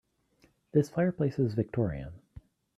This fireplace is victorian.